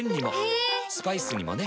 ヘェー⁉スパイスにもね。